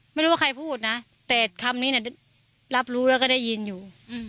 ไม่รู้ว่าใครพูดนะแต่คำนี้รับรู้แล้วก็ได้ยินอยู่